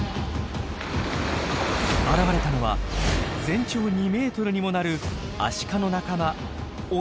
現れたのは全長２ｍにもなるアシカの仲間